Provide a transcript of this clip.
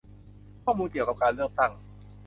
ข้อมูลเกี่ยวกับการเลือกตั้ง